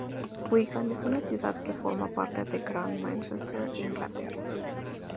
Wigan es una ciudad que forma parte de Gran Mánchester, Inglaterra.